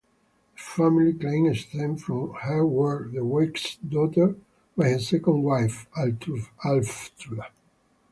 The family claimed descent from Hereward the Wake's daughter by his second wife, Alftruda.